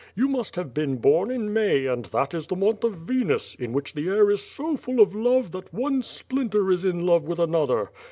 You must have been born in May and tlmt is the niopth of Venus, in which the air is so full of love lluit one splinter is in love with another.